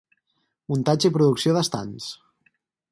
Muntatge i producció d'estands.